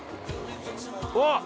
◆うわっ！